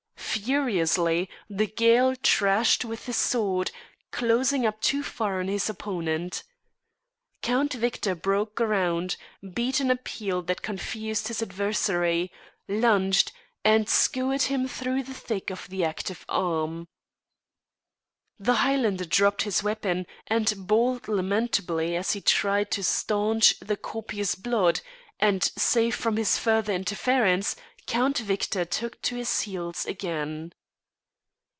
Furiously the Gael thrashed with the sword, closing up too far on his opponent. Count Victor broke ground, beat an appeal that confused his adversary, lunged, and skewered him through the thick of the active arm. The Highlander dropped his weapon and bawled lamentably as he tried to staunch the copious blood; and safe from his further interference, Count Victor took to his heels again.